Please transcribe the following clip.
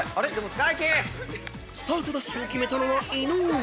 ［スタートダッシュを決めたのは伊野尾］